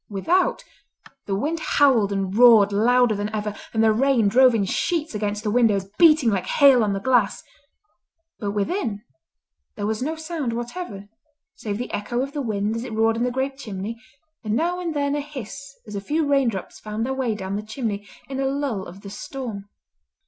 Without, the wind howled and roared louder than ever, and the rain drove in sheets against the windows, beating like hail on the glass; but within there was no sound whatever save the echo of the wind as it roared in the great chimney, and now and then a hiss as a few raindrops found their way down the chimney in a lull of the storm.